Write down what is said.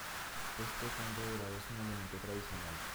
Este fondo dorado es un elemento tradicional.